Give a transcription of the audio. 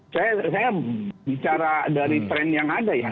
saya bicara dari tren yang ada ya